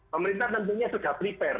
pemerintah tentunya sudah prepare